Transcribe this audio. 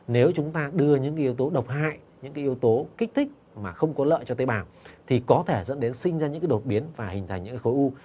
nếu chúng ta đưa những yếu tố độc hại những yếu tố kích thích mà không có lợi cho tế bào thì có thể dẫn đến sinh ra những đột biến và hình thành những cái khối u